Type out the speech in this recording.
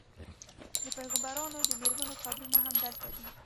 د پیغمبرانو د میرمنو قبرونه هم دلته دي.